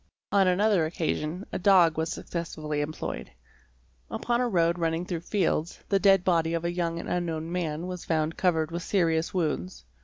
On another occasion a dog was successfully employed. Upon a road 'rur ning through fields, the dead body of a young and unknown man yas found covered with serious wounds.